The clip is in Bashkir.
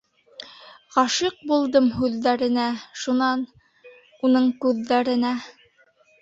«Ғашиҡ булдым һүҙҙәренә, шунан... уның күҙҙәренә!»